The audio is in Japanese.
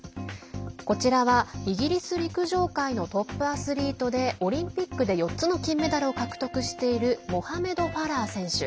こちらは、イギリス陸上界のトップアスリートでオリンピックで４つの金メダルを獲得しているモハメド・ファラー選手。